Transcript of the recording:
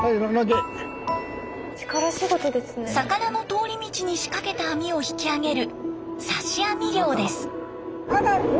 魚の通り道に仕掛けた網を引き揚げる刺し網漁です。